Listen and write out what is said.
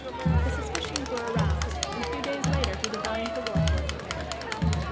His suspicions were aroused, and a few days later he divined the Warkworth affair.